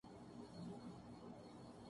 میں ایک دن پاکستان جانا چاہتاہوں